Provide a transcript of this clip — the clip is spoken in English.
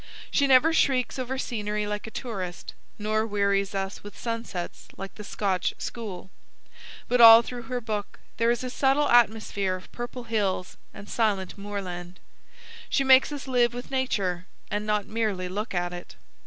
She never shrieks over scenery like a tourist, nor wearies us with sunsets like the Scotch school; but all through her book there is a subtle atmosphere of purple hills and silent moorland; she makes us live with nature and not merely look at it.